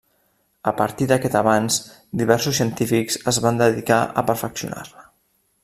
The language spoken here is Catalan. A partir d'aquest avanç diversos científics es van dedicar a perfeccionar-la.